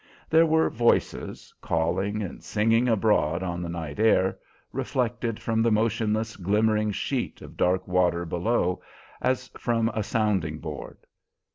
There were voices, calling and singing abroad on the night air, reflected from the motionless, glimmering sheet of dark water below as from a sounding board.